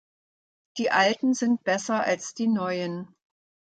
Die alten sind besser als die neuen.